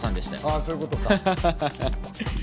そういうことか。